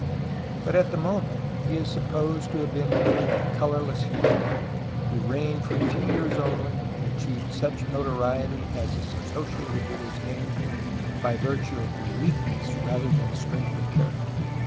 But at the moment he is supposed to have been merely a colourless youth, who reigned for a few years only, and achieved such notoriety as is associated with his name by virtue of weakness rather than strength of character.